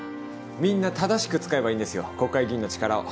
みんな正しく使えばいいんですよ国会議員の力を。